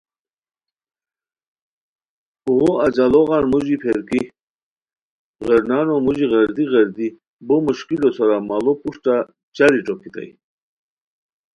اوغو اجاڑوغان موژی پھیر کی غیرنانو موژی غیردی غیردی بو مشکلو سورا ماڑو پروشٹہ چاری ݯوکیتائے